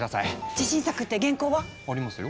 自信作って原稿は？ありますよ